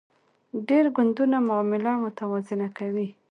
ډیر ګوندونه معامله متوازنه کوي